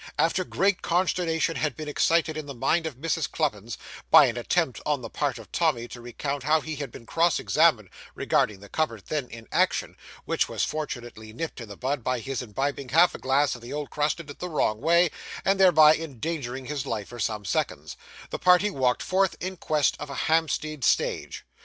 After great consternation had been excited in the mind of Mrs. Cluppins, by an attempt on the part of Tommy to recount how he had been cross examined regarding the cupboard then in action (which was fortunately nipped in the bud by his imbibing half a glass of the old crusted 'the wrong way,' and thereby endangering his life for some seconds), the party walked forth in quest of a Hampstead stage.